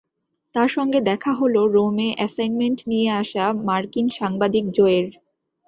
তার সঙ্গে দেখা হলো রোমে অ্যাসাইনমেন্ট নিয়ে আসা মার্কিন সাংবাদিক জোয়ের।